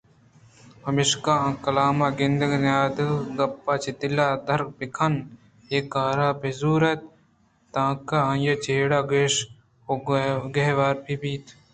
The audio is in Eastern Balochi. پمشکا آ کلام ءِ گندگ ءَ نیاد ءِ گپاں چہ دل ءَ در بہ کنت ءُاے کار ءَ بہ زُوریت تانکہ آئی ءِ جیڑہ گیشءُگیوار بہ بیت